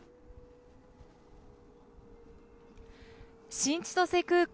新千歳空港。